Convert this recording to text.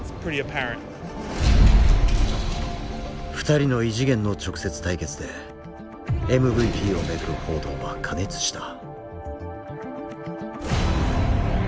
２人の異次元の直接対決でＭＶＰを巡る報道は過熱した。